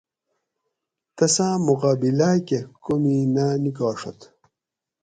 تساں مقابلا کہ کومی نہ نکاڛت